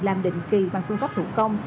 làm định kỳ bằng phương pháp hữu công